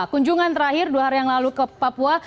kunjungan terakhir dua hari yang lalu ke papua